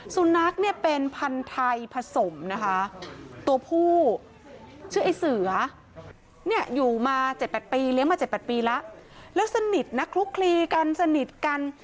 สุนัขเนี่ยเป็นพันธุ์ไทยผสมนะคะตัวผู้ชื่อไอ้เสือเนี่ยอยู่มา๗๘ปีเลี้ยงมา๗๘ปีแล้วแล้วสนิทนะคลุกคลีกันสนิทกัน